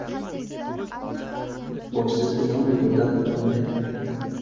• Boshsiz ilon yo‘ldan o‘tolmaydi.